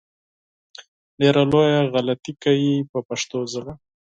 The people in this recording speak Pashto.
ډېره لویه غلطي کوي په پښتو ژبه.